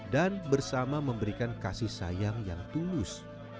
dan bersama memberikan kasih sayang yang tulus